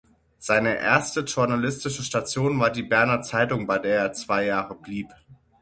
Seine erste journalistische Station war die Berner Zeitung, bei der er zwei Jahre blieb.